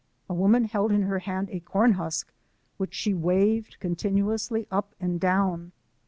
A woman held in her hand a corn husk, which she waved continuously up and down.